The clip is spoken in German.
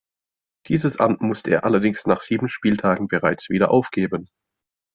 Dieses Amt musste er allerdings nach sieben Spieltagen bereits wieder aufgeben.